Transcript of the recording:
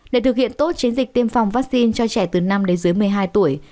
để thực hiện tốt chiến dịch tiêm phòng vaccine cho trẻ từ năm đến dưới một mươi hai tuổi